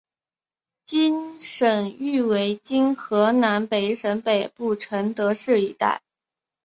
其省域为今河北省北部承德市一带。